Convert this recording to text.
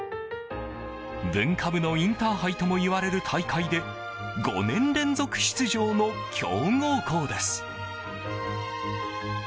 文化部のインターハイともいわれる大会で５年連続出場の強豪校です。